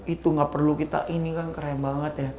itu nggak perlu kita ini kan keren banget ya